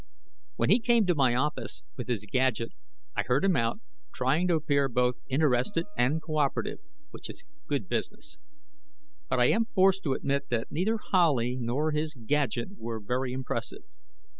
When he came to my office with his gadget, I heard him out, trying to appear both interested and co operative which is good business. But I am forced to admit that neither Howley nor his gadget were very impressive.